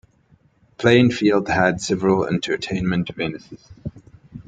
Plainfield had several entertainment venues.